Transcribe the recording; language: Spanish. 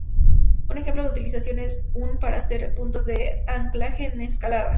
Un ejemplo de utilización, es un para hacer puntos de anclaje en escalada.